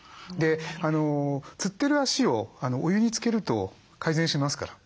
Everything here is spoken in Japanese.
つってる足をお湯につけると改善しますから。